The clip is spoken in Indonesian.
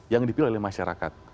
yang dipilih oleh masyarakat